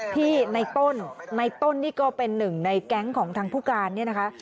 ที่ในต้นในต้นนี่ก็เป็นหนึ่งในแก๊งของทางผู้การเนี่ยนะคะ